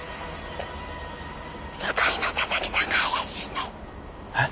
向かいの佐々木さんが怪しいの？え？